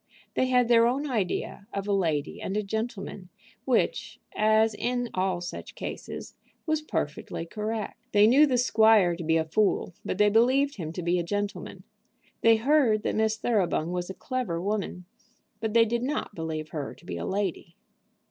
They had their own idea of a lady and a gentleman, which, as in all such cases, was perfectly correct. They knew the squire to be a fool, but they believed him to be a gentleman. They heard that Miss Thoroughbung was a clever woman, but they did not believe her to be a lady.